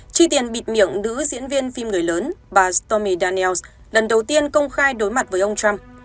chi tiền bịt miệng nữ diễn viên phim người lớn bà stomy danels lần đầu tiên công khai đối mặt với ông trump